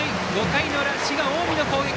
５回の裏、滋賀・近江の攻撃。